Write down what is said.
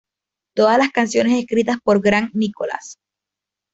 Todas las canciones escritas por Grant Nicholas.